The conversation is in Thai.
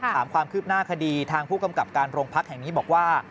ถามความคืบหน้าคดีทางผู้กำกับการโรงพักแห่งนี้บอกว่า